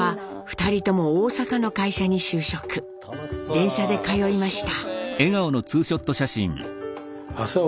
電車で通いました。